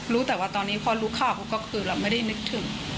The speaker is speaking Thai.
รู้แต่ว่าตอนนี้พอรู้ข่าวเขาก็คือเราไม่ได้นึกถึง